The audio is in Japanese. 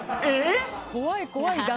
怖い、怖い。